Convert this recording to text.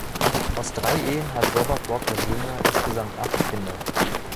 Aus drei Ehen hat Robert Walker junior insgesamt acht Kinder.